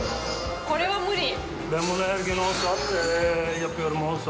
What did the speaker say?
これは無理。